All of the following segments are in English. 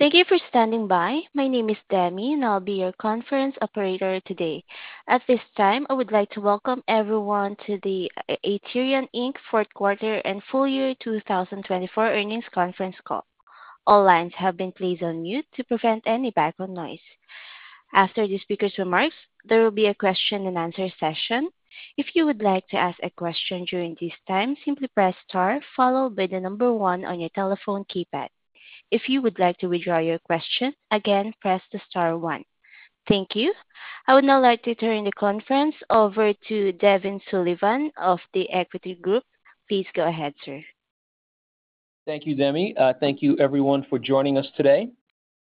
Thank you for standing by. My name is Demi, and I'll be your conference operator today. At this time, I would like to welcome everyone to the Aterian Fourth Quarter and Full Year 2024 Earnings Conference Call. All lines have been placed on mute to prevent any background noise. After the speaker's remarks, there will be a question-and-answer session. If you would like to ask a question during this time, simply press *, followed by the number 1 on your telephone keypad. If you would like to withdraw your question, again, press *1. Thank you. I would now like to turn the conference over to Devin Sullivan of the Equity Group. Please go ahead, sir. Thank you, Demi. Thank you, everyone, for joining us today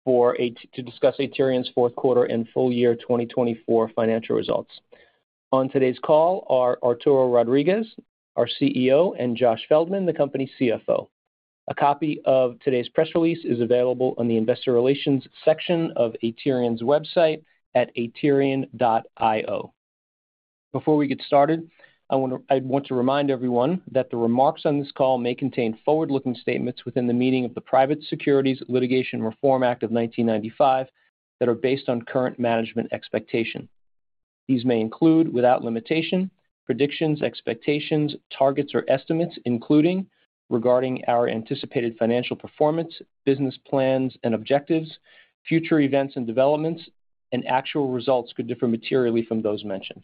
to discuss Aterian's fourth quarter and full year 2024 financial results. On today's call are Arturo Rodriguez, our CEO, and Josh Feldman, the company's CFO. A copy of today's press release is available in the Investor Relations section of Aterian's website at aterian.io. Before we get started, I want to remind everyone that the remarks on this call may contain forward-looking statements within the meaning of the Private Securities Litigation Reform Act of 1995 that are based on current management expectation. These may include, without limitation, predictions, expectations, targets, or estimates, including regarding our anticipated financial performance, business plans and objectives, future events and developments, and actual results could differ materially from those mentioned.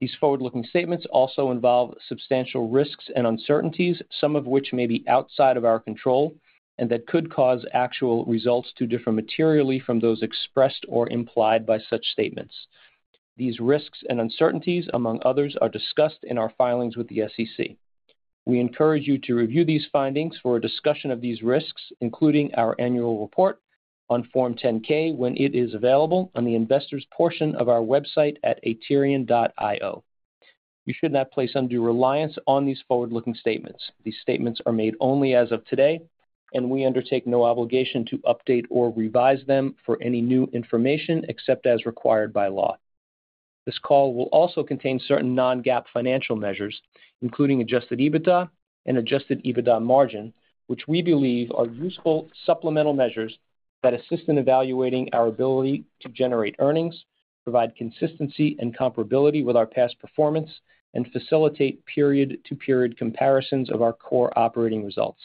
These forward-looking statements also involve substantial risks and uncertainties, some of which may be outside of our control and that could cause actual results to differ materially from those expressed or implied by such statements. These risks and uncertainties, among others, are discussed in our filings with the SEC. We encourage you to review these filings for a discussion of these risks, including our annual report on Form 10-K when it is available on the investors' portion of our website at aterian.io. You should not place undue reliance on these forward-looking statements. These statements are made only as of today, and we undertake no obligation to update or revise them for any new information except as required by law. This call will also contain certain non-GAAP financial measures, including adjusted EBITDA and adjusted EBITDA margin, which we believe are useful supplemental measures that assist in evaluating our ability to generate earnings, provide consistency and comparability with our past performance, and facilitate period-to-period comparisons of our core operating results.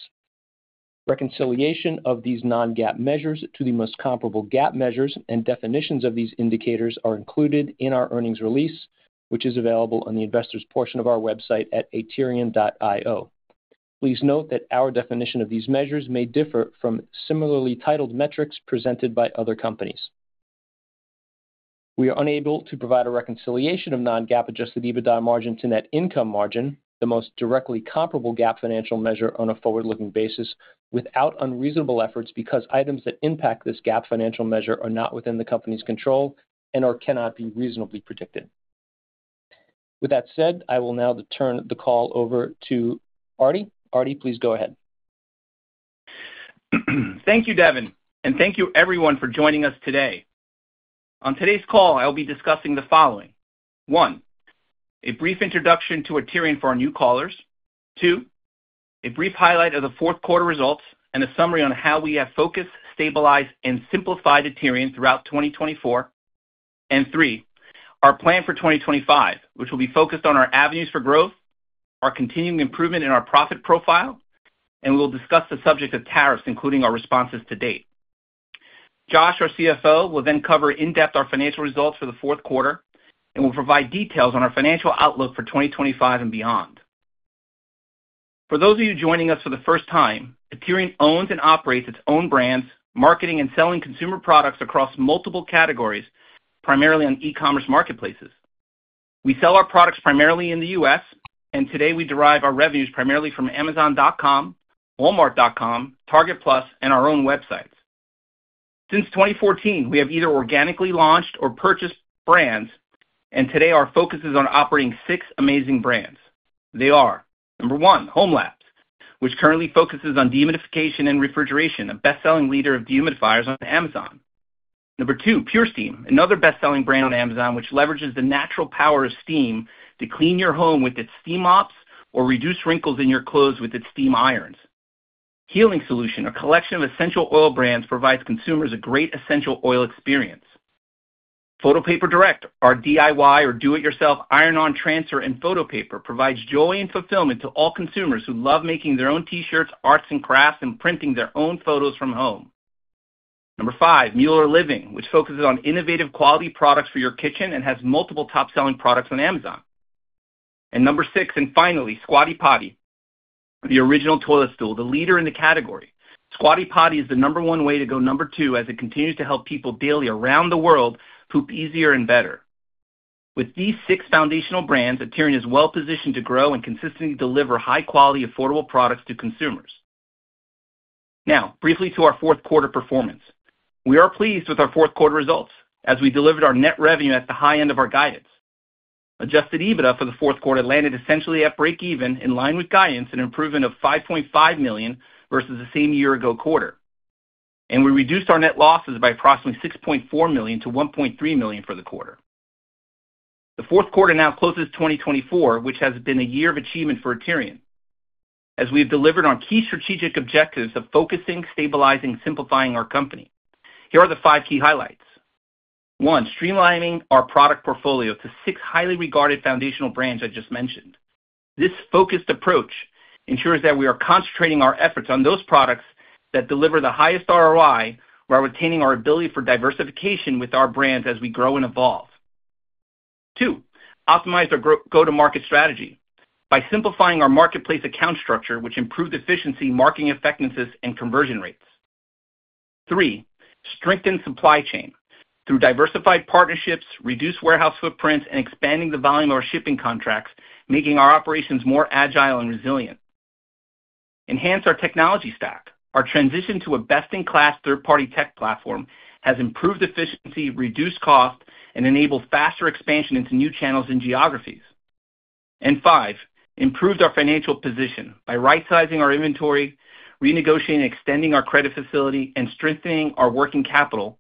Reconciliation of these non-GAAP measures to the most comparable GAAP measures and definitions of these indicators are included in our earnings release, which is available on the investors' portion of our website at aterian.io. Please note that our definition of these measures may differ from similarly titled metrics presented by other companies. We are unable to provide a reconciliation of non-GAAP adjusted EBITDA margin to net income margin, the most directly comparable GAAP financial measure on a forward-looking basis, without unreasonable efforts because items that impact this GAAP financial measure are not within the company's control and/or cannot be reasonably predicted. With that said, I will now turn the call over to Arturo. Arturo, please go ahead. Thank you, Devin, and thank you, everyone, for joining us today. On today's call, I'll be discussing the following: one, a brief introduction to Aterian for our new callers; two, a brief highlight of the fourth quarter results and a summary on how we have focused, stabilized, and simplified Aterian throughout 2024; and three, our plan for 2025, which will be focused on our avenues for growth, our continuing improvement in our profit profile, and we'll discuss the subject of tariffs, including our responses to date. Josh, our CFO, will then cover in-depth our financial results for the fourth quarter and will provide details on our financial outlook for 2025 and beyond. For those of you joining us for the first time, Aterian owns and operates its own brands, marketing and selling consumer products across multiple categories, primarily on e-commerce marketplaces. We sell our products primarily in the US, and today we derive our revenues primarily from Amazon.com, Walmart.com, Target Plus, and our own websites. Since 2014, we have either organically launched or purchased brands, and today our focus is on operating six amazing brands. They are, number one, hOmeLabs, which currently focuses on dehumidification and refrigeration, a best-selling leader of dehumidifiers on Amazon. Number two, PurSteam, another best-selling brand on Amazon, which leverages the natural power of steam to clean your home with its steam mops or reduce wrinkles in your clothes with its steam irons. Healing Solutions, a collection of essential oil brands, provides consumers a great essential oil experience. Photo Paper Direct, our DIY or do-it-yourself iron-on transfer and photo paper, provides joy and fulfillment to all consumers who love making their own T-shirts, arts and crafts, and printing their own photos from home. Number five, Mueller Living, which focuses on innovative quality products for your kitchen and has multiple top-selling products on Amazon. Number six, and finally, Squatty Potty, the original toilet stool, the leader in the category. Squatty Potty is the number one way to go number two as it continues to help people daily around the world poop easier and better. With these six foundational brands, Aterian is well-positioned to grow and consistently deliver high-quality, affordable products to consumers. Now, briefly to our fourth quarter performance. We are pleased with our fourth quarter results as we delivered our net revenue at the high end of our guidance. Adjusted EBITDA for the fourth quarter landed essentially at break-even in line with guidance and improvement of $5.5 million versus the same year-ago quarter. We reduced our net losses by approximately $6.4 million-$1.3 million for the quarter. The fourth quarter now closes 2024, which has been a year of achievement for Aterian, as we have delivered on key strategic objectives of focusing, stabilizing, and simplifying our company. Here are the five key highlights. One, streamlining our product portfolio to six highly regarded foundational brands I just mentioned. This focused approach ensures that we are concentrating our efforts on those products that deliver the highest ROI while retaining our ability for diversification with our brands as we grow and evolve. Two, optimized our go-to-market strategy by simplifying our marketplace account structure, which improved efficiency, marketing effectiveness, and conversion rates. Three, strengthened supply chain through diversified partnerships, reduced warehouse footprints, and expanding the volume of our shipping contracts, making our operations more agile and resilient. Enhanced our technology stack. Our transition to a best-in-class third-party tech platform has improved efficiency, reduced costs, and enabled faster expansion into new channels and geographies. Five, improved our financial position by right-sizing our inventory, renegotiating, extending our credit facility, and strengthening our working capital,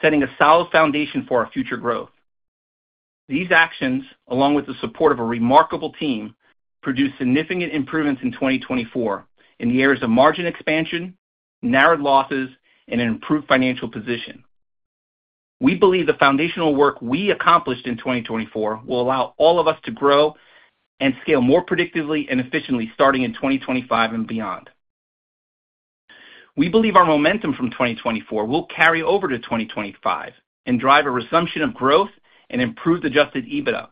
setting a solid foundation for our future growth. These actions, along with the support of a remarkable team, produced significant improvements in 2024 in the areas of margin expansion, narrowed losses, and an improved financial position. We believe the foundational work we accomplished in 2024 will allow all of us to grow and scale more predictably and efficiently starting in 2025 and beyond. We believe our momentum from 2024 will carry over to 2025 and drive a resumption of growth and improved adjusted EBITDA.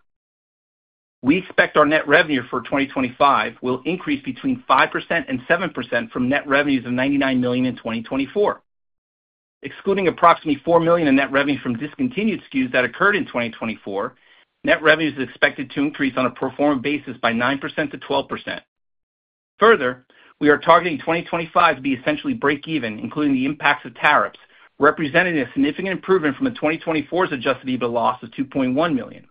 We expect our net revenue for 2025 will increase between 5% and 7% from net revenues of $99 million in 2024. Excluding approximately $4 million in net revenue from discontinued SKUs that occurred in 2024, net revenues are expected to increase on a performative basis by 9%-12%. Further, we are targeting 2025 to be essentially break-even, including the impacts of tariffs, representing a significant improvement from 2024's adjusted EBITDA loss of $2.1 million.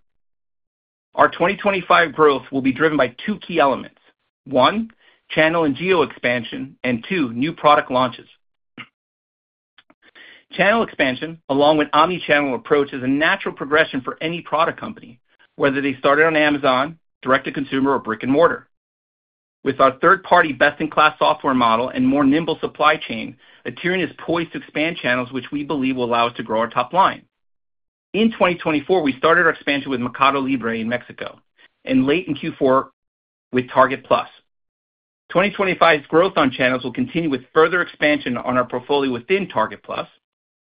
Our 2025 growth will be driven by two key elements: one, channel and geo expansion, and two, new product launches. Channel expansion, along with omnichannel approach, is a natural progression for any product company, whether they started on Amazon, direct-to-consumer, or brick-and-mortar. With our third-party best-in-class software model and more nimble supply chain, Aterian is poised to expand channels, which we believe will allow us to grow our top line. In 2024, we started our expansion with Mercado Libre in Mexico and late in Q4 with Target Plus. 2025's growth on channels will continue with further expansion on our portfolio within Target Plus,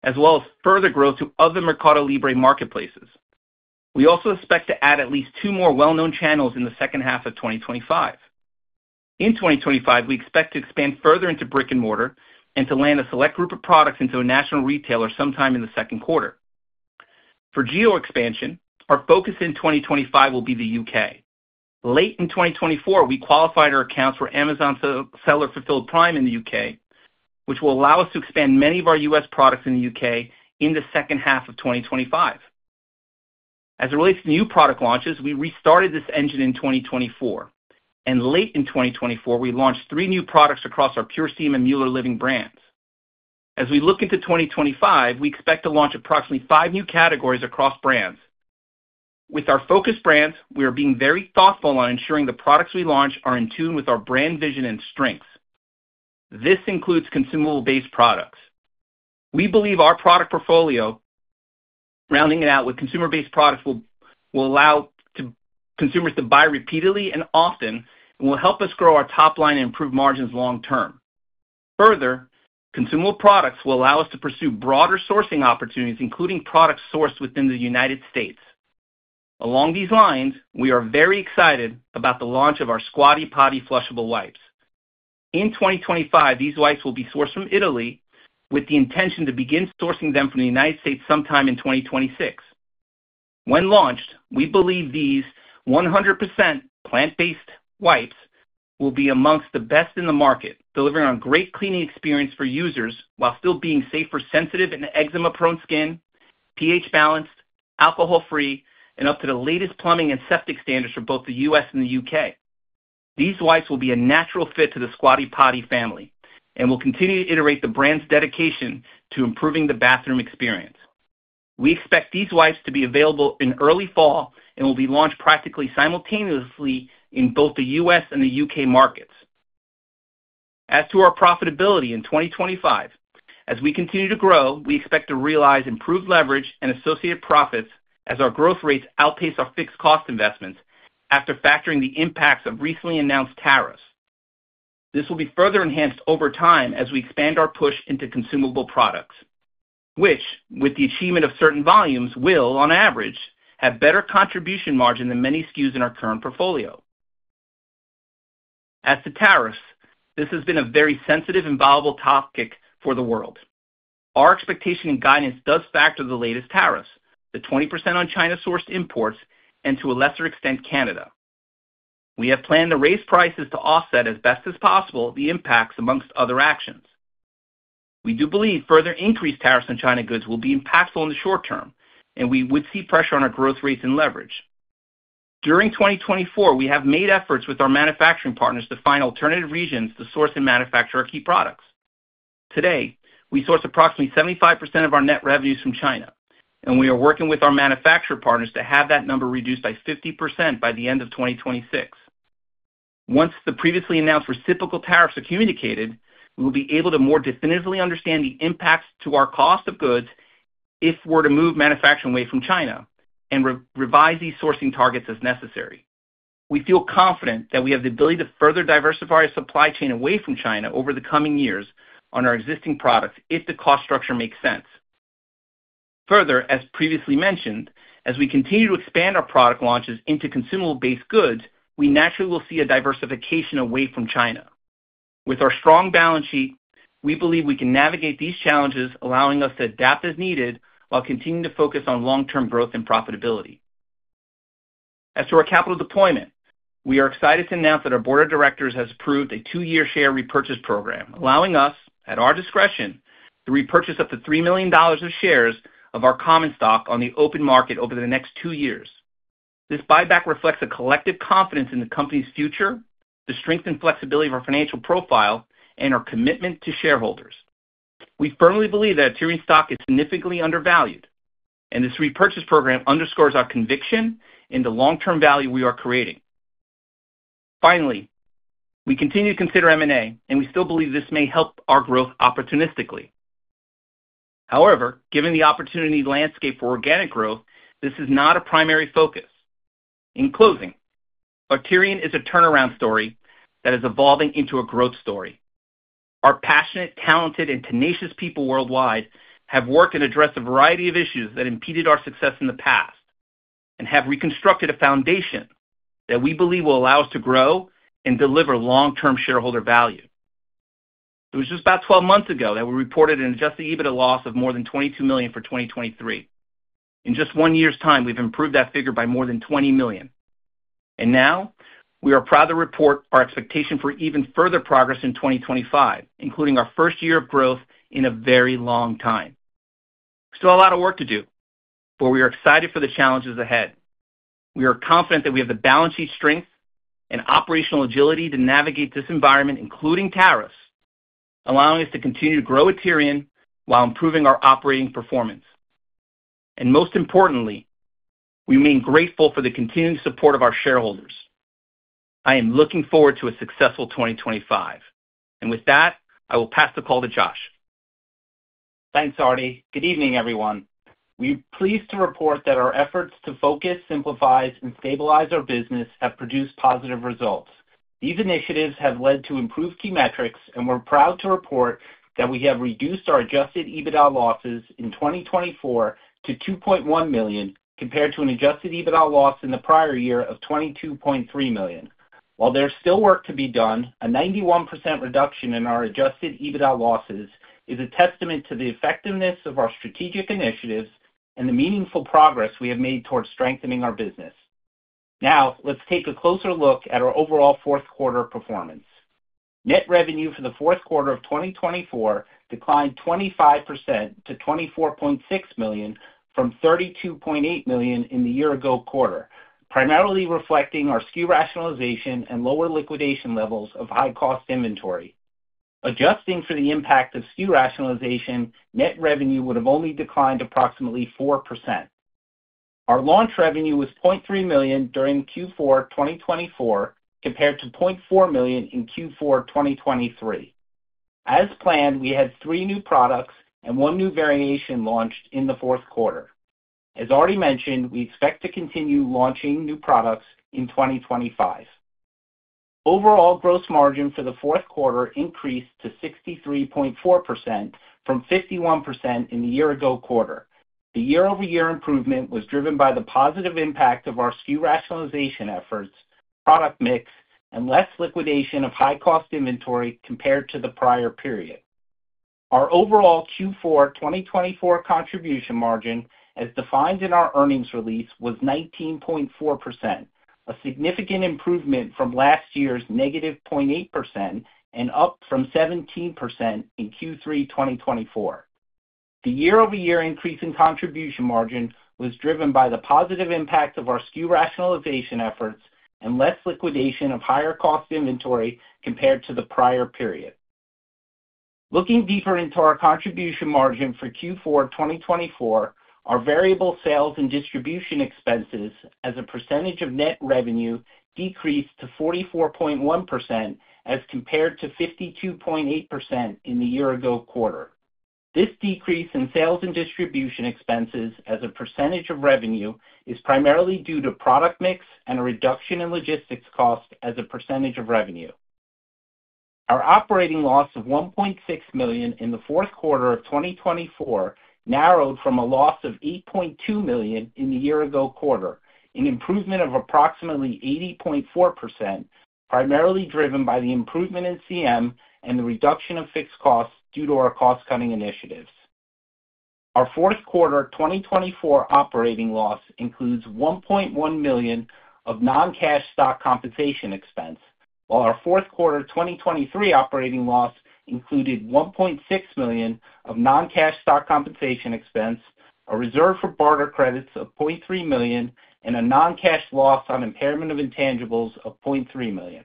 as well as further growth to other Mercado Libre marketplaces. We also expect to add at least two more well-known channels in the second half of 2025. In 2025, we expect to expand further into brick-and-mortar and to land a select group of products into a national retailer sometime in the second quarter. For geo expansion, our focus in 2025 will be the U.K. Late in 2024, we qualified our accounts for Amazon Seller Fulfilled Prime in the U.K., which will allow us to expand many of our US products in the U.K. in the second half of 2025. As it relates to new product launches, we restarted this engine in 2024, and late in 2024, we launched three new products across our PurSteam and Mueller Living brands. As we look into 2025, we expect to launch approximately five new categories across brands. With our focus brands, we are being very thoughtful on ensuring the products we launch are in tune with our brand vision and strengths. This includes consumable-based products. We believe our product portfolio, rounding it out with consumable-based products, will allow consumers to buy repeatedly and often and will help us grow our top line and improve margins long-term. Further, consumable products will allow us to pursue broader sourcing opportunities, including products sourced within the United States. Along these lines, we are very excited about the launch of our Squatty Potty flushable wipes. In 2025, these wipes will be sourced from Italy with the intention to begin sourcing them from the United States sometime in 2026. When launched, we believe these 100% plant-based wipes will be amongst the best in the market, delivering on great cleaning experience for users while still being safe for sensitive and eczema-prone skin, pH-balanced, alcohol-free, and up to the latest plumbing and septic standards for both the U.S. and the U.K. These wipes will be a natural fit to the Squatty Potty family and will continue to iterate the brand's dedication to improving the bathroom experience. We expect these wipes to be available in early fall and will be launched practically simultaneously in both the U.S. and the U.K. markets. As to our profitability in 2025, as we continue to grow, we expect to realize improved leverage and associated profits as our growth rates outpace our fixed cost investments after factoring the impacts of recently announced tariffs. This will be further enhanced over time as we expand our push into consumable products, which, with the achievement of certain volumes, will, on average, have better contribution margin than many SKUs in our current portfolio. As to tariffs, this has been a very sensitive and volatile topic for the world. Our expectation and guidance does factor the latest tariffs, the 20% on China-sourced imports, and to a lesser extent, Canada. We have planned to raise prices to offset as best as possible the impacts amongst other actions. We do believe further increased tariffs on China goods will be impactful in the short term, and we would see pressure on our growth rates and leverage. During 2024, we have made efforts with our manufacturing partners to find alternative regions to source and manufacture our key products. Today, we source approximately 75% of our net revenues from China, and we are working with our manufacturer partners to have that number reduced by 50% by the end of 2026. Once the previously announced reciprocal tariffs are communicated, we will be able to more definitively understand the impacts to our cost of goods if we're to move manufacturing away from China and revise these sourcing targets as necessary. We feel confident that we have the ability to further diversify our supply chain away from China over the coming years on our existing products if the cost structure makes sense. Further, as previously mentioned, as we continue to expand our product launches into consumable-based goods, we naturally will see a diversification away from China. With our strong balance sheet, we believe we can navigate these challenges, allowing us to adapt as needed while continuing to focus on long-term growth and profitability. As to our capital deployment, we are excited to announce that our board of directors has approved a two-year share repurchase program, allowing us, at our discretion, to repurchase up to $3 million of shares of our common stock on the open market over the next two years. This buyback reflects a collective confidence in the company's future, the strength and flexibility of our financial profile, and our commitment to shareholders. We firmly believe that Aterian stock is significantly undervalued, and this repurchase program underscores our conviction in the long-term value we are creating. Finally, we continue to consider M&A, and we still believe this may help our growth opportunistically. However, given the opportunity landscape for organic growth, this is not a primary focus. In closing, Aterian is a turnaround story that is evolving into a growth story. Our passionate, talented, and tenacious people worldwide have worked and addressed a variety of issues that impeded our success in the past and have reconstructed a foundation that we believe will allow us to grow and deliver long-term shareholder value. It was just about 12 months ago that we reported an adjusted EBITDA loss of more than $22 million for 2023. In just one year's time, we've improved that figure by more than $20 million. We are proud to report our expectation for even further progress in 2025, including our first year of growth in a very long time. Still a lot of work to do, but we are excited for the challenges ahead. We are confident that we have the balance sheet strength and operational agility to navigate this environment, including tariffs, allowing us to continue to grow Aterian while improving our operating performance. Most importantly, we remain grateful for the continuing support of our shareholders. I am looking forward to a successful 2025. With that, I will pass the call to Josh. Thanks, Arti. Good evening, everyone. We are pleased to report that our efforts to focus, simplify, and stabilize our business have produced positive results. These initiatives have led to improved key metrics, and we're proud to report that we have reduced our adjusted EBITDA losses in 2024 to $2.1 million compared to an adjusted EBITDA loss in the prior year of $22.3 million. While there's still work to be done, a 91% reduction in our adjusted EBITDA losses is a testament to the effectiveness of our strategic initiatives and the meaningful progress we have made towards strengthening our business. Now, let's take a closer look at our overall fourth quarter performance. Net revenue for the fourth quarter of 2024 declined 25% to $24.6 million from $32.8 million in the year-ago quarter, primarily reflecting our SKU rationalization and lower liquidation levels of high-cost inventory. Adjusting for the impact of SKU rationalization, net revenue would have only declined approximately 4%. Our launch revenue was $0.3 million during Q4 2024 compared to $0.4 million in Q4 2023. As planned, we had three new products and one new variation launched in the fourth quarter. As Arti mentioned, we expect to continue launching new products in 2025. Overall gross margin for the fourth quarter increased to 63.4% from 51% in the year-ago quarter. The year-over-year improvement was driven by the positive impact of our SKU rationalization efforts, product mix, and less liquidation of high-cost inventory compared to the prior period. Our overall Q4 2024 contribution margin, as defined in our earnings release, was 19.4%, a significant improvement from last year's negative 0.8% and up from 17% in Q3 2024. The year-over-year increase in contribution margin was driven by the positive impact of our SKU rationalization efforts and less liquidation of higher-cost inventory compared to the prior period. Looking deeper into our contribution margin for Q4 2024, our variable sales and distribution expenses as a percentage of net revenue decreased to 44.1% as compared to 52.8% in the year-ago quarter. This decrease in sales and distribution expenses as a percentage of revenue is primarily due to product mix and a reduction in logistics costs as a percentage of revenue. Our operating loss of $1.6 million in the fourth quarter of 2024 narrowed from a loss of $8.2 million in the year-ago quarter, an improvement of approximately 80.4%, primarily driven by the improvement in CM and the reduction of fixed costs due to our cost-cutting initiatives. Our fourth quarter 2024 operating loss includes $1.1 million of non-cash stock compensation expense, while our fourth quarter 2023 operating loss included $1.6 million of non-cash stock compensation expense, a reserve for barter credits of $0.3 million, and a non-cash loss on impairment of intangibles of $0.3 million.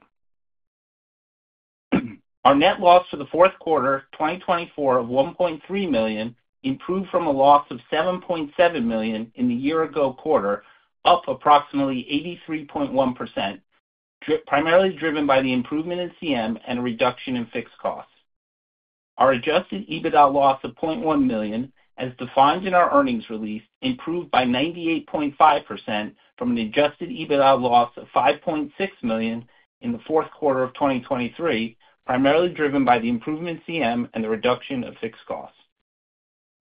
Our net loss for the fourth quarter 2024 of $1.3 million improved from a loss of $7.7 million in the year-ago quarter, up approximately 83.1%, primarily driven by the improvement in CM and a reduction in fixed costs. Our adjusted EBITDA loss of $0.1 million, as defined in our earnings release, improved by 98.5% from an adjusted EBITDA loss of $5.6 million in the fourth quarter of 2023, primarily driven by the improvement in CM and the reduction of fixed costs.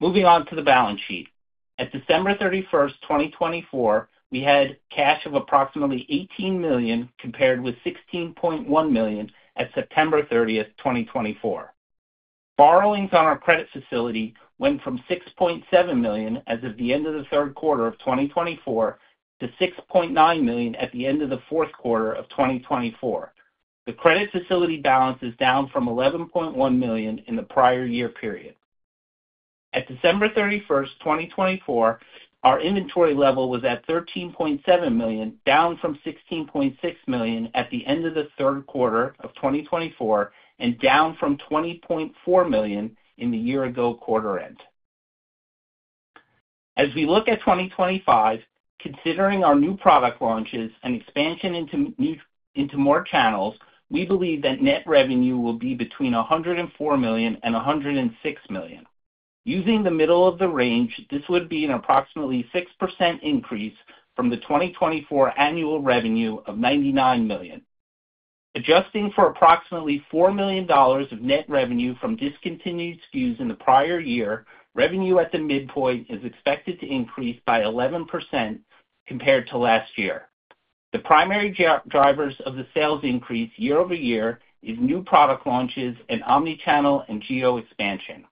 Moving on to the balance sheet. At December 31, 2024, we had cash of approximately $18 million compared with $16.1 million at September 30, 2024. Borrowings on our credit facility went from $6.7 million as of the end of the third quarter of 2024 to $6.9 million at the end of the fourth quarter of 2024. The credit facility balance is down from $11.1 million in the prior year period. At December 31, 2024, our inventory level was at $13.7 million, down from $16.6 million at the end of the third quarter of 2024 and down from $20.4 million in the year-ago quarter end. As we look at 2025, considering our new product launches and expansion into more channels, we believe that net revenue will be between $104 million and $106 million. Using the middle of the range, this would be an approximately 6% increase from the 2024 annual revenue of $99 million. Adjusting for approximately $4 million of net revenue from discontinued SKUs in the prior year, revenue at the midpoint is expected to increase by 11% compared to last year. The primary drivers of the sales increase year-over-year are new product launches and omnichannel and geo-expansion.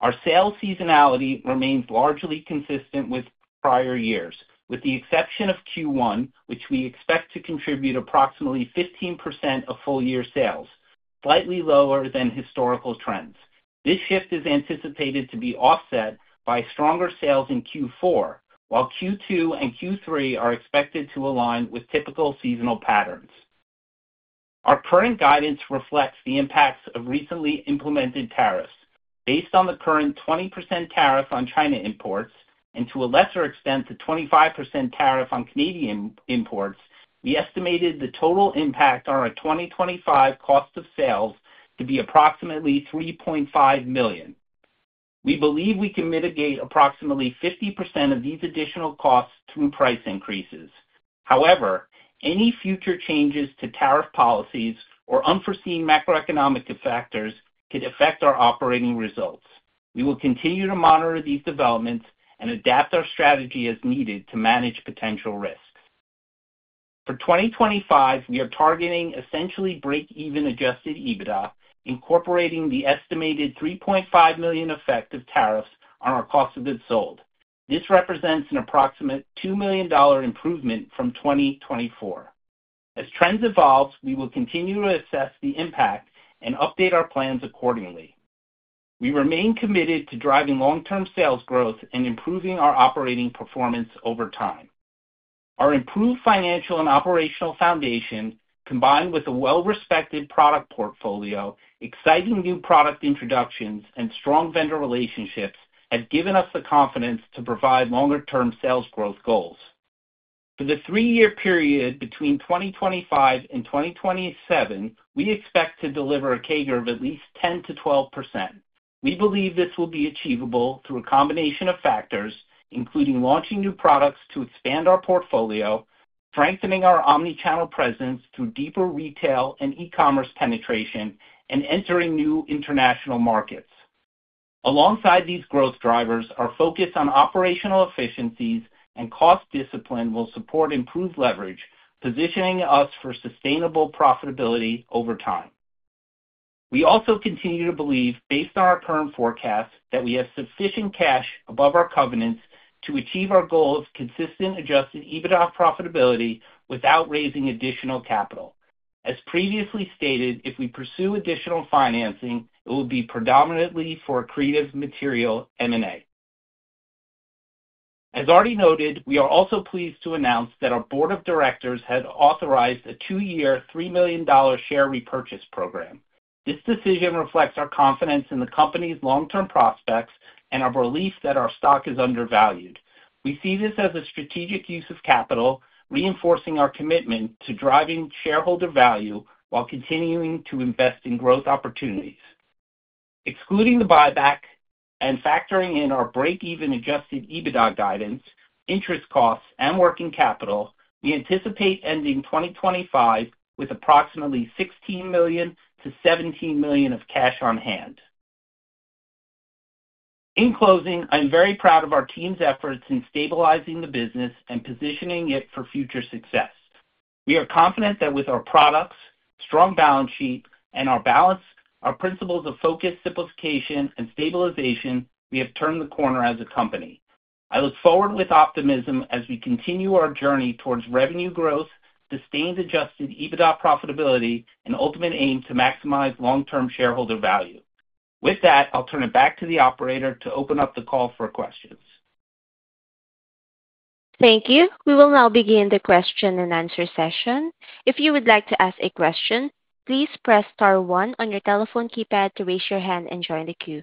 Our sales seasonality remains largely consistent with prior years, with the exception of Q1, which we expect to contribute approximately 15% of full-year sales, slightly lower than historical trends. This shift is anticipated to be offset by stronger sales in Q4, while Q2 and Q3 are expected to align with typical seasonal patterns. Our current guidance reflects the impacts of recently implemented tariffs. Based on the current 20% tariff on China imports and to a lesser extent the 25% tariff on Canadian imports, we estimated the total impact on our 2025 cost of sales to be approximately $3.5 million. We believe we can mitigate approximately 50% of these additional costs through price increases. However, any future changes to tariff policies or unforeseen macroeconomic factors could affect our operating results. We will continue to monitor these developments and adapt our strategy as needed to manage potential risks. For 2025, we are targeting essentially break-even adjusted EBITDA, incorporating the estimated $3.5 million effect of tariffs on our cost of goods sold. This represents an approximate $2 million improvement from 2024. As trends evolve, we will continue to assess the impact and update our plans accordingly. We remain committed to driving long-term sales growth and improving our operating performance over time. Our improved financial and operational foundation, combined with a well-respected product portfolio, exciting new product introductions, and strong vendor relationships have given us the confidence to provide longer-term sales growth goals. For the three-year period between 2025 and 2027, we expect to deliver a CAGR of at least 10-12%. We believe this will be achievable through a combination of factors, including launching new products to expand our portfolio, strengthening our omnichannel presence through deeper retail and e-commerce penetration, and entering new international markets. Alongside these growth drivers, our focus on operational efficiencies and cost discipline will support improved leverage, positioning us for sustainable profitability over time. We also continue to believe, based on our current forecast, that we have sufficient cash above our covenants to achieve our goal of consistent adjusted EBITDA profitability without raising additional capital. As previously stated, if we pursue additional financing, it will be predominantly for creative material M&A. As Arti noted, we are also pleased to announce that our board of directors has authorized a two-year, $3 million share repurchase program. This decision reflects our confidence in the company's long-term prospects and our belief that our stock is undervalued. We see this as a strategic use of capital, reinforcing our commitment to driving shareholder value while continuing to invest in growth opportunities. Excluding the buyback and factoring in our break-even adjusted EBITDA guidance, interest costs, and working capital, we anticipate ending 2025 with approximately $16 million-$17 million of cash on hand. In closing, I'm very proud of our team's efforts in stabilizing the business and positioning it for future success. We are confident that with our products, strong balance sheet, and our balanced principles of focus, simplification, and stabilization, we have turned the corner as a company. I look forward with optimism as we continue our journey towards revenue growth, sustained adjusted EBITDA profitability, and the ultimate aim to maximize long-term shareholder value. With that, I'll turn it back to the operator to open up the call for questions. Thank you. We will now begin the question and answer session. If you would like to ask a question, please press star 1 on your telephone keypad to raise your hand and join the queue.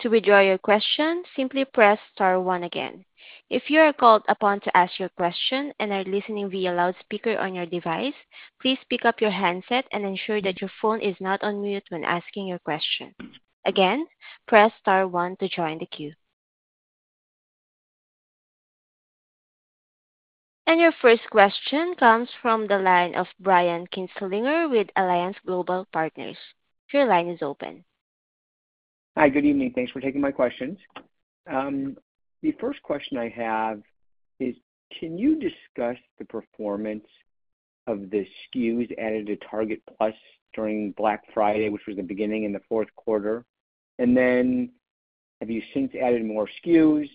To withdraw your question, simply press star 1 again. If you are called upon to ask your question and are listening via loudspeaker on your device, please pick up your handset and ensure that your phone is not on mute when asking your question. Again, press star 1 to join the queue. Your first question comes from the line of Brian Kinstlinger with Alliance Global Partners. Your line is open. Hi, good evening. Thanks for taking my questions. The first question I have is, can you discuss the performance of the SKUs added to Target Plus during Black Friday, which was the beginning in the fourth quarter? Have you since added more SKUs?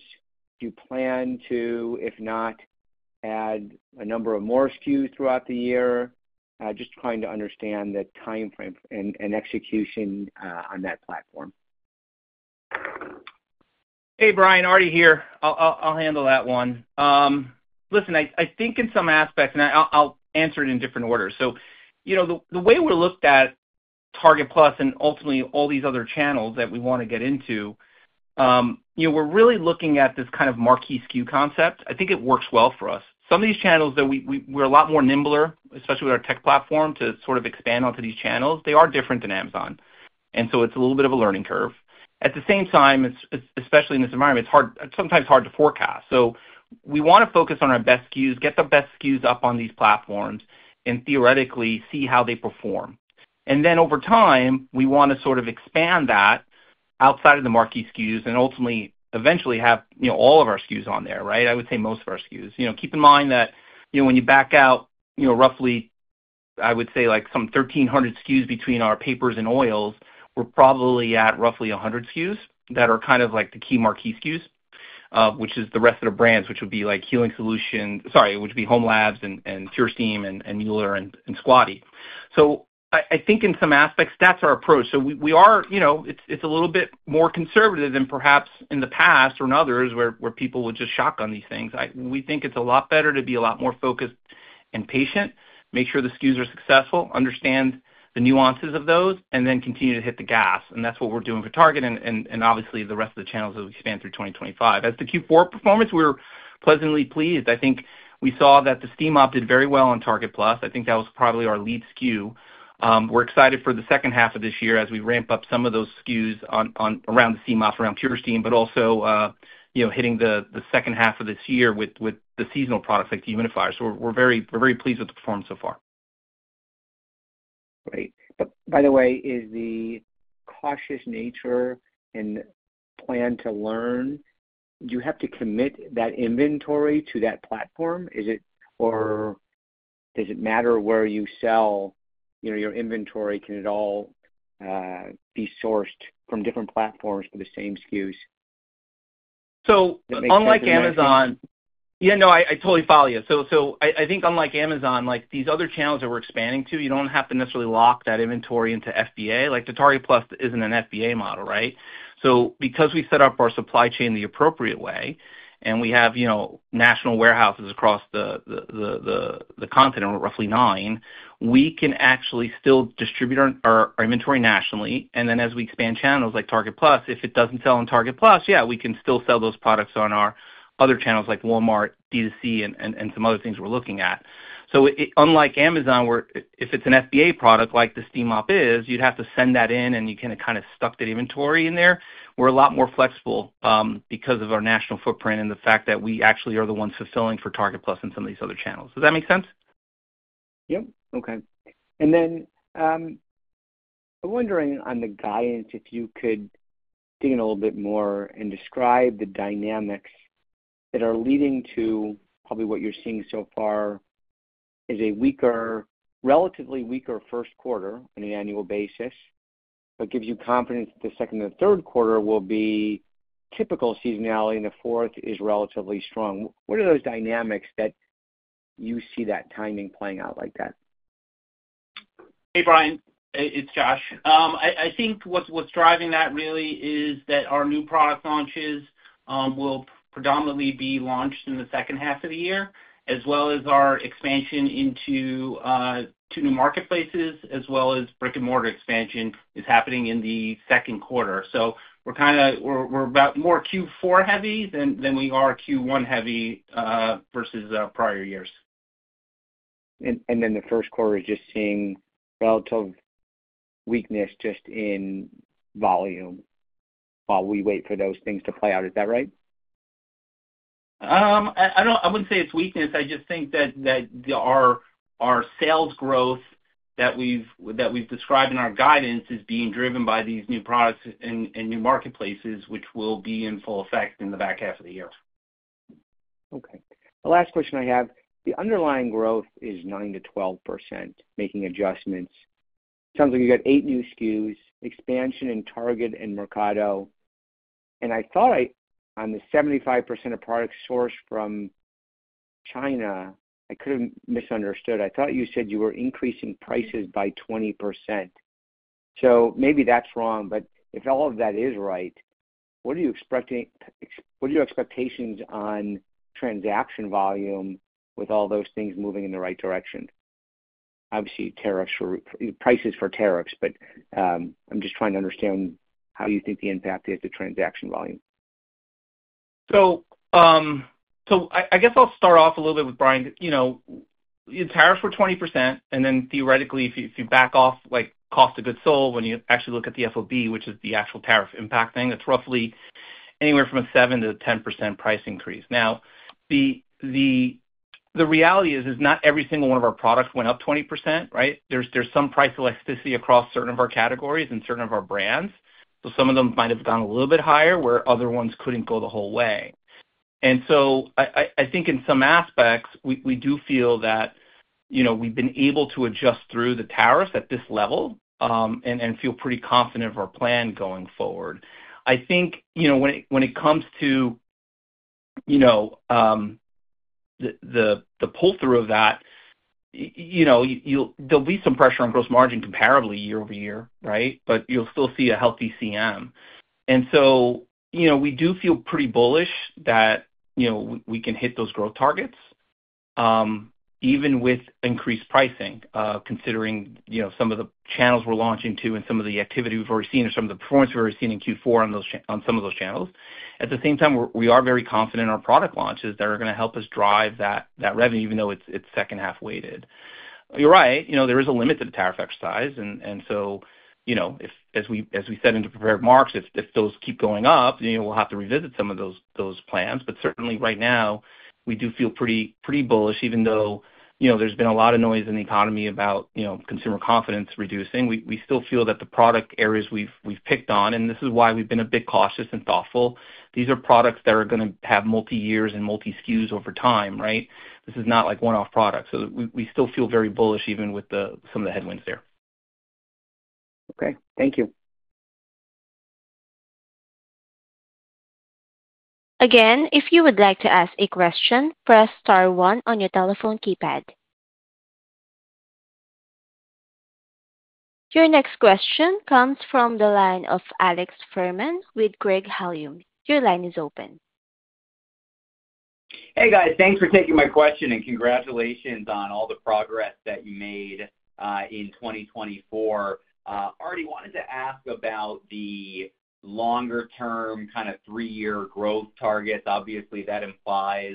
Do you plan to, if not, add a number of more SKUs throughout the year? Just trying to understand the timeframe and execution on that platform. Hey, Brian, Arti here. I'll handle that one. Listen, I think in some aspects, and I'll answer it in different orders. The way we're looked at Target Plus and ultimately all these other channels that we want to get into, we're really looking at this kind of marquee SKU concept. I think it works well for us. Some of these channels that we're a lot more nimbler, especially with our tech platform, to sort of expand onto these channels, they are different than Amazon. It is a little bit of a learning curve. At the same time, especially in this environment, it's sometimes hard to forecast. We want to focus on our best SKUs, get the best SKUs up on these platforms, and theoretically see how they perform. Over time, we want to sort of expand that outside of the marquee SKUs and ultimately eventually have all of our SKUs on there, right? I would say most of our SKUs. Keep in mind that when you back out roughly, I would say, some 1,300 SKUs between our papers and oils, we're probably at roughly 100 SKUs that are kind of like the key marquee SKUs, which is the rest of the brands, which would be like Healing Solutions, sorry, which would be hOmeLabs and PurSteam and Mueller and Squatty Potty. I think in some aspects, that's our approach. It's a little bit more conservative than perhaps in the past or in others where people would just shock on these things. We think it's a lot better to be a lot more focused and patient, make sure the SKUs are successful, understand the nuances of those, and then continue to hit the gas. That's what we're doing for Target and obviously the rest of the channels as we expand through 2025. As to the Q4 performance, we're pleasantly pleased. I think we saw that the steam products did very well on Target Plus. I think that was probably our lead SKU. We're excited for the second half of this year as we ramp up some of those SKUs around the steam products, around PureSteam, but also hitting the second half of this year with the seasonal products like the dehumidifier. We're very pleased with the performance so far. Great. By the way, is the cautious nature and plan to learn, do you have to commit that inventory to that platform? Does it matter where you sell your inventory? Can it all be sourced from different platforms for the same SKUs? Unlike Amazon, yeah, no, I totally follow you. I think unlike Amazon, these other channels that we're expanding to, you don't have to necessarily lock that inventory into FBA. Target Plus isn't an FBA model, right? Because we set up our supply chain the appropriate way and we have national warehouses across the continent, roughly nine, we can actually still distribute our inventory nationally. As we expand channels like Target Plus, if it doesn't sell on Target Plus, yeah, we can still sell those products on our other channels like Walmart, DTC, and some other things we're looking at. Unlike Amazon, if it's an FBA product like the steam mop is, you'd have to send that in and you can kind of stock that inventory in there. We're a lot more flexible because of our national footprint and the fact that we actually are the ones fulfilling for Target Plus and some of these other channels. Does that make sense? Yep. Okay. I'm wondering on the guidance if you could dig in a little bit more and describe the dynamics that are leading to probably what you're seeing so far is a relatively weaker first quarter on an annual basis, but gives you confidence that the second and third quarter will be typical seasonality and the fourth is relatively strong. What are those dynamics that you see that timing playing out like that? Hey, Brian. It's Josh. I think what's driving that really is that our new product launches will predominantly be launched in the second half of the year, as well as our expansion into two new marketplaces, as well as brick-and-mortar expansion is happening in the second quarter. We are about more Q4 heavy than we are Q1 heavy versus prior years. The first quarter is just seeing relative weakness just in volume while we wait for those things to play out. Is that right? I wouldn't say it's weakness. I just think that our sales growth that we've described in our guidance is being driven by these new products and new marketplaces, which will be in full effect in the back half of the year. Okay. The last question I have, the underlying growth is 9-12%, making adjustments. It sounds like you got eight new SKUs, expansion in Target and Mercado. I thought on the 75% of products sourced from China, I could have misunderstood. I thought you said you were increasing prices by 20%. Maybe that's wrong, but if all of that is right, what are your expectations on transaction volume with all those things moving in the right direction? Obviously, prices for tariffs, but I'm just trying to understand how you think the impact is to transaction volume. I guess I'll start off a little bit with Brian. Tariffs were 20%, and then theoretically, if you back off cost of goods sold when you actually look at the FOB, which is the actual tariff impact thing, it's roughly anywhere from a 7-10% price increase. Now, the reality is not every single one of our products went up 20%, right? There's some price elasticity across certain of our categories and certain of our brands. Some of them might have gone a little bit higher where other ones could not go the whole way. I think in some aspects, we do feel that we've been able to adjust through the tariffs at this level and feel pretty confident of our plan going forward. I think when it comes to the pull-through of that, there will be some pressure on gross margin comparably year-over-year, right? You'll still see a healthy CM. We do feel pretty bullish that we can hit those growth targets even with increased pricing, considering some of the channels we're launching to and some of the activity we've already seen or some of the performance we've already seen in Q4 on some of those channels. At the same time, we are very confident in our product launches that are going to help us drive that revenue even though it's second half weighted. You're right. There is a limit to the tariff exercise. As we said in the prepared marks, if those keep going up, we'll have to revisit some of those plans. Certainly right now, we do feel pretty bullish even though there's been a lot of noise in the economy about consumer confidence reducing. We still feel that the product areas we've picked on, and this is why we've been a bit cautious and thoughtful, these are products that are going to have multi-years and multi-SKUs over time, right? This is not like one-off products. We still feel very bullish even with some of the headwinds there. Okay. Thank you. Again, if you would like to ask a question, press star 1 on your telephone keypad. Your next question comes from the line of Alex Fuhrman with Craig-Hallum. Your line is open. Hey, guys. Thanks for taking my question and congratulations on all the progress that you made in 2024. Arti, wanted to ask about the longer-term kind of three-year growth targets. Obviously, that implies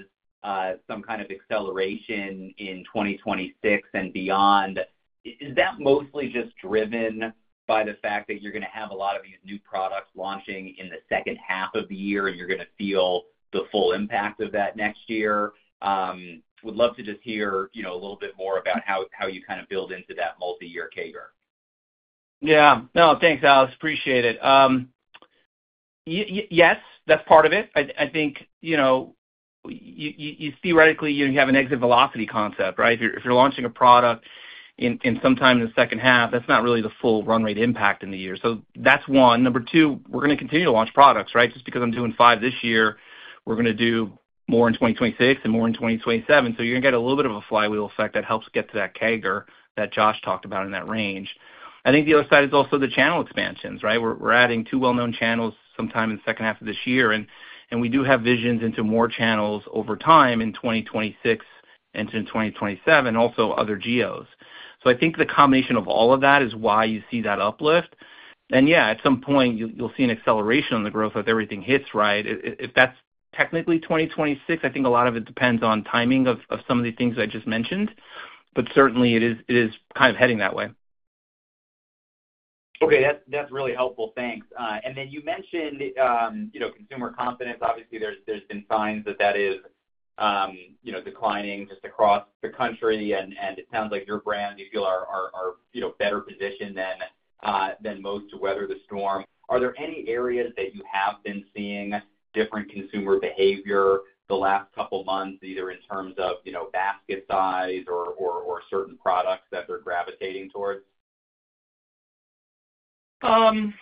some kind of acceleration in 2026 and beyond. Is that mostly just driven by the fact that you're going to have a lot of these new products launching in the second half of the year and you're going to feel the full impact of that next year? Would love to just hear a little bit more about how you kind of build into that multi-year CAGR. Yeah. No, thanks, Alex. Appreciate it. Yes, that's part of it. I think theoretically, you have an exit velocity concept, right? If you're launching a product sometime in the second half, that's not really the full run rate impact in the year. That's one. Number two, we're going to continue to launch products, right? Just because I'm doing five this year, we're going to do more in 2026 and more in 2027. You're going to get a little bit of a flywheel effect that helps get to that CAGR that Josh talked about in that range. I think the other side is also the channel expansions, right? We're adding two well-known channels sometime in the second half of this year. We do have visions into more channels over time in 2026 and in 2027, also other geos. I think the combination of all of that is why you see that uplift. Yeah, at some point, you'll see an acceleration on the growth if everything hits right. If that's technically 2026, I think a lot of it depends on timing of some of the things I just mentioned. Certainly, it is kind of heading that way. Okay. That's really helpful. Thanks. You mentioned consumer confidence. Obviously, there's been signs that that is declining just across the country. It sounds like your brand, you feel, are better positioned than most to weather the storm. Are there any areas that you have been seeing different consumer behavior the last couple of months, either in terms of basket size or certain products that they're gravitating towards? No,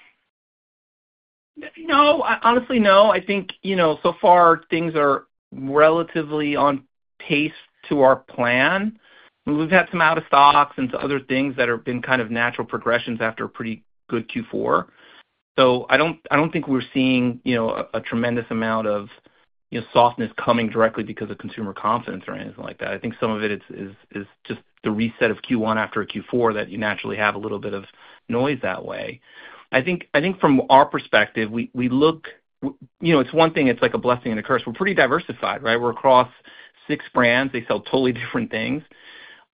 honestly, no. I think so far, things are relatively on pace to our plan. We've had some out-of-stocks and other things that have been kind of natural progressions after a pretty good Q4. I don't think we're seeing a tremendous amount of softness coming directly because of consumer confidence or anything like that. I think some of it is just the reset of Q1 after Q4 that you naturally have a little bit of noise that way. I think from our perspective, we look, it's one thing. It's like a blessing and a curse. We're pretty diversified, right? We're across six brands. They sell totally different things.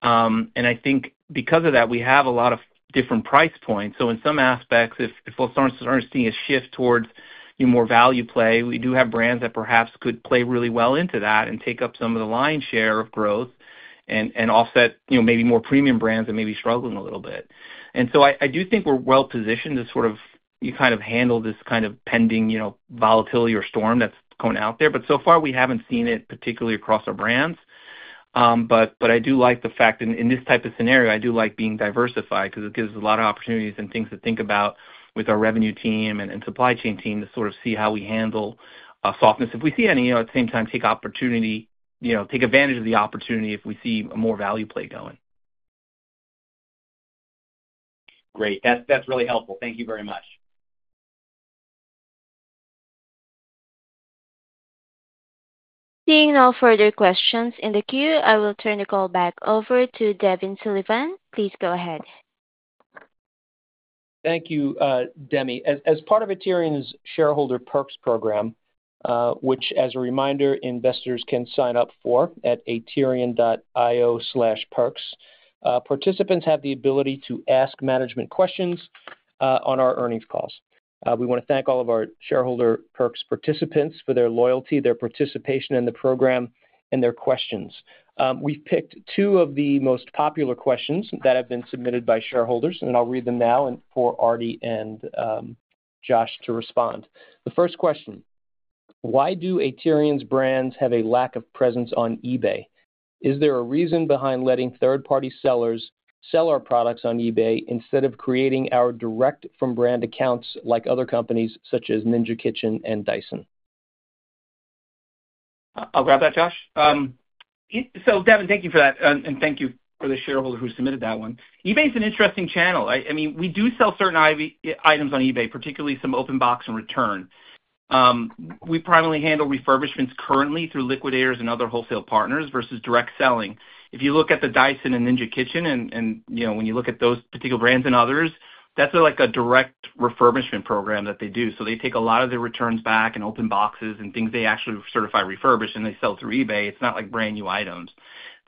I think because of that, we have a lot of different price points. In some aspects, if we start to see a shift towards more value play, we do have brands that perhaps could play really well into that and take up some of the line share of growth and offset maybe more premium brands that may be struggling a little bit. I do think we're well positioned to sort of kind of handle this kind of pending volatility or storm that's going out there. So far, we haven't seen it particularly across our brands. I do like the fact that in this type of scenario, I do like being diversified because it gives us a lot of opportunities and things to think about with our revenue team and supply chain team to sort of see how we handle softness if we see any. At the same time, take advantage of the opportunity if we see a more value play going. Great. That's really helpful. Thank you very much. Seeing no further questions in the queue, I will turn the call back over to Devin Sullivan. Please go ahead. Thank you, Demi. As part of Aterian's shareholder perks program, which, as a reminder, investors can sign up for at aterian.io/perks, participants have the ability to ask management questions on our earnings calls. We want to thank all of our shareholder perks participants for their loyalty, their participation in the program, and their questions. We have picked two of the most popular questions that have been submitted by shareholders, and I will read them now for Arti and Josh to respond. The first question: Why do Aterian's brands have a lack of presence on eBay? Is there a reason behind letting third-party sellers sell our products on eBay instead of creating our direct-front-brand accounts like other companies such as Ninja Kitchen and Dyson? I will grab that, Josh. Devin, thank you for that. Thank you for the shareholder who submitted that one. eBay is an interesting channel. I mean, we do sell certain items on eBay, particularly some open box and return. We primarily handle refurbishments currently through liquidators and other wholesale partners versus direct selling. If you look at the Dyson and Ninja Kitchen, and when you look at those particular brands and others, that's like a direct refurbishment program that they do. They take a lot of their returns back and open boxes and things they actually certify refurbished, and they sell through eBay. It's not like brand new items.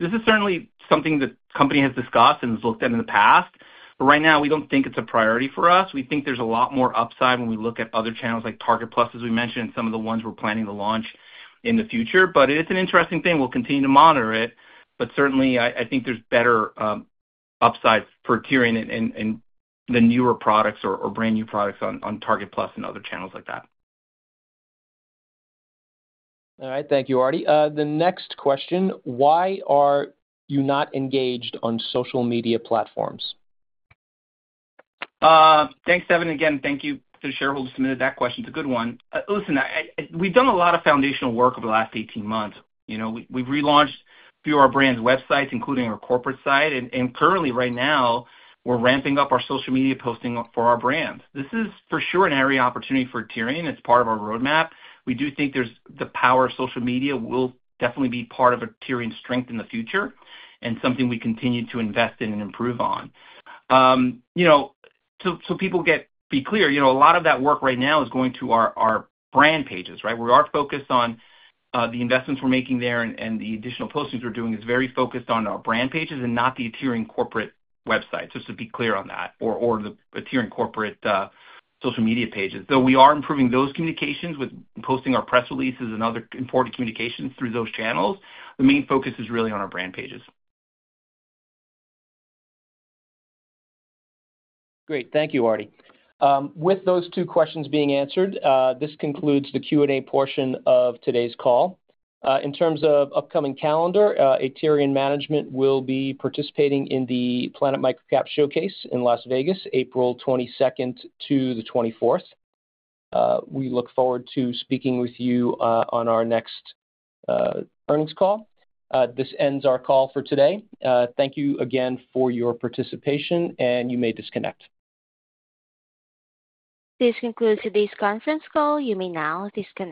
This is certainly something the company has discussed and has looked at in the past. Right now, we don't think it's a priority for us. We think there's a lot more upside when we look at other channels like Target Plus, as we mentioned, and some of the ones we're planning to launch in the future. It's an interesting thing. We'll continue to monitor it. Certainly, I think there's better upside for Aterian and the newer products or brand new products on Target Plus and other channels like that. All right. Thank you, Arti. The next question: Why are you not engaged on social media platforms? Thanks, Devin. Again, thank you for the shareholder who submitted that question. It's a good one. Listen, we've done a lot of foundational work over the last 18 months. We've relaunched a few of our brands' websites, including our corporate site. Currently, right now, we're ramping up our social media posting for our brands. This is for sure an area of opportunity for Aterian. It's part of our roadmap. We do think the power of social media will definitely be part of Aterian's strength in the future and something we continue to invest in and improve on. People get to be clear, a lot of that work right now is going to our brand pages, right? We are focused on the investments we're making there and the additional postings we're doing is very focused on our brand pages and not the Aterian corporate website. To be clear on that, or the Aterian corporate social media pages. Though we are improving those communications with posting our press releases and other important communications through those channels, the main focus is really on our brand pages. Great. Thank you, Arti. With those two questions being answered, this concludes the Q&A portion of today's call. In terms of upcoming calendar, Aterian Management will be participating in the Planet MicroCap Showcase in Las Vegas, April 22nd to the 24th. We look forward to speaking with you on our next earnings call. This ends our call for today. Thank you again for your participation, and you may disconnect. This concludes today's conference call. You may now disconnect.